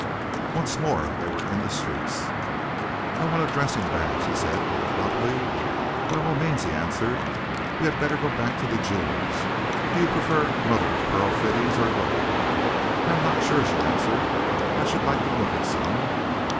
Once more they were in the streets. "I want a dressing bag," she said, a little abruptly. "By all means," he answered. "We had better go back to the jeweller's. Do you prefer mother of pearl fittings, or gold?" "I am not sure," she answered. "I should like to look at some."